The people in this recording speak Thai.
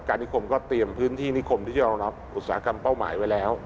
นิคมก็เตรียมพื้นที่นิคมที่จะรองรับอุตสาหกรรมเป้าหมายไว้แล้ว